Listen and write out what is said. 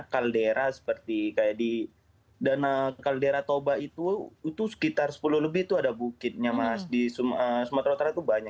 kaldera seperti kayak di dana kaldera toba itu itu sekitar sepuluh lebih itu ada bukitnya mas di sumatera utara itu banyak